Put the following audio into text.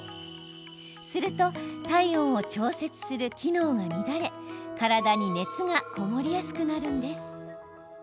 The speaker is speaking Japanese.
すると体温を調節する機能が乱れ体に熱が籠もりやすくなるんです。